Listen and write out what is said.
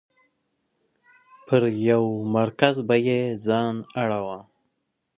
پر یو مرکز به یې ځان اړوه.